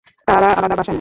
তারা আলাদা বাসা নেন।